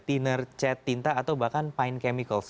tiner cet tinta atau bahkan paint chemicals